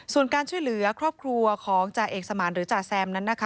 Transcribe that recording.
ส่วนการช่วยเหลือครอบครัวของจาเอกสมานหรือจาแซม